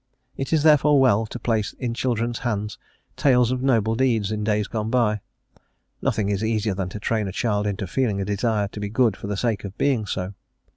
It is therefore well to place in children's hands tales of noble deeds in days gone by. Nothing is easier than to train a child into feeling a desire to be good for the sake of being so.